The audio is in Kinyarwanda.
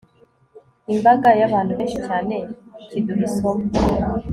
imbaga yabantu benshi cyane kiduha isomo